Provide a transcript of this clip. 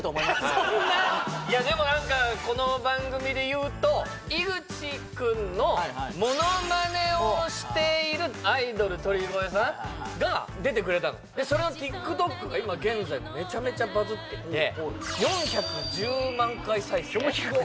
いやでもなんかこの番組で言うと井口君のモノマネをしているアイドル鳥越さんが出てくれたのそのＴｉｋＴｏｋが今現在めちゃめちゃバズってて４１０万回再生？